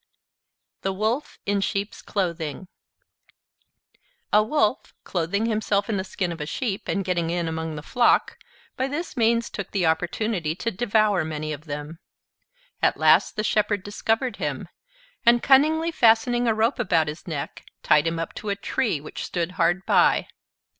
THE WOLF IN SHEEP'S CLOTHING A Wolf, clothing himself in the skin of a sheep, and getting in among the flock, by this means took the opportunity to devour many of them. At last the shepherd discovered him, and cunningly fastening a rope about his neck, tied him up to a tree which stood hard by.